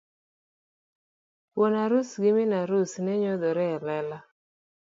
Wuon arus gi min arus ne nyodhore e lela.